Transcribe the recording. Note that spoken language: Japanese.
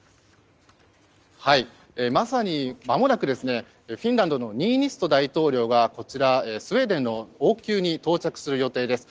まもなくフィンランドのニーニスト大統領がこちらスウェーデンの王宮に到着する予定です。